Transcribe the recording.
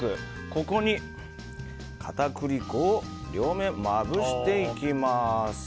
ここに片栗粉を両面にまぶしていきます。